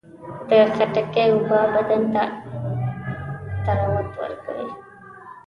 د خټکي اوبه بدن ته طراوت ورکوي.